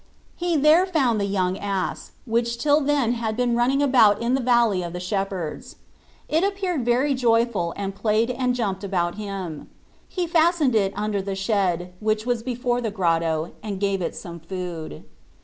He there found the young ass, which till then had been running about in the valley of the shepherds. It appeared very joyful and played and jumped about him : he fas tened it under the shed, which was be fore the grotto, and gave it some food.